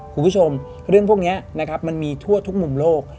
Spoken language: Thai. คุณผู้ชมเรื่องพวกนี้นะครับมันมีทั่วทุกมุมโลก